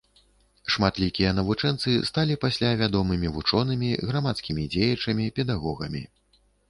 Шматлікія навучэнцы сталі пасля вядомымі вучонымі, грамадскімі дзеячамі, педагогамі.